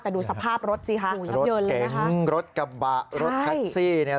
แต่ดูสภาพรถสิค่ะเก๋งรถกระบะรถแท็กซี่เนี่ย